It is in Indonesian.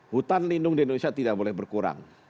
hutan lindung di indonesia tidak boleh berkurang